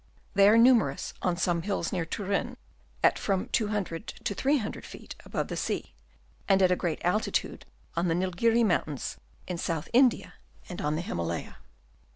They are numerous on some hills near Turin at from 2000 to 3000 feet above the sea, and at a great altitude on the Nilgiri Mountains in South India and on the Himalaya.